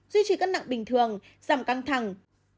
duy trì cân nặng bình thường giảm căng thẳng